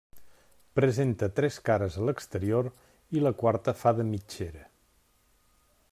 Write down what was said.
Presenta tres cares a l'exterior i la quarta fa de mitgera.